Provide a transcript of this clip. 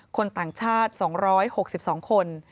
คนต่างชาติ๒๖๒คน